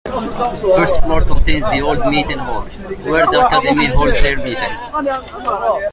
First floor contains the Old Meeting Hall, where the Academy hold their meetings.